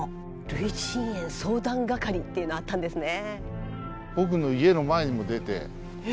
類人猿相談係っていうのあったんですね。